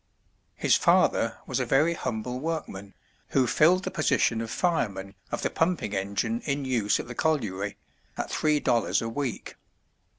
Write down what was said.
His father was a very humble workman, who filled the position of fireman of the pumping engine in use at the colliery, at three dollars a week.